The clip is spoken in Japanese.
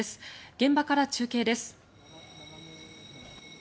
現場から中継です。